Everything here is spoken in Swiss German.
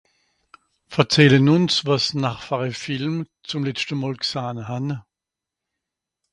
verzählen uns wàs n'r fer a Film zum letschte mol gsahn han